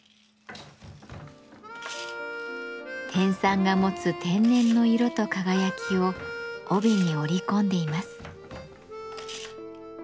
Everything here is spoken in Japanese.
天蚕が持つ天然の色と輝きを帯に織り込んでいます。